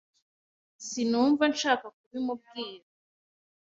Sinumva nshaka kubimubwira.